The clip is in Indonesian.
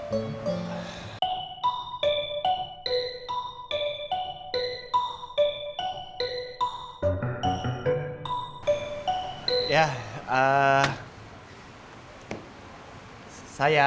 gue bakalan ke rumah